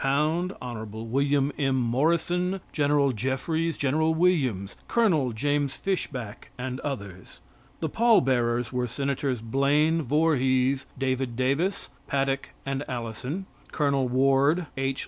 Pound, Hon. Wm. M. Morrison, Gen. Jeffreys, Gen. Williams, Col. James Fishback, and others. The pall bearers were Senators Blaine, Vorhees, David Davis, Paddock and Allison, Col. Ward, H.